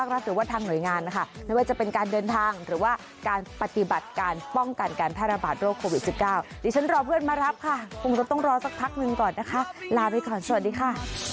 ลาไปก่อนสวัสดีค่ะ